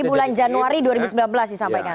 bulan januari dua ribu sembilan belas disampaikan